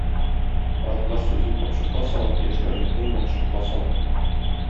Картлар сүзен капчыкка сал, яшьләрнекен янчыкка сал.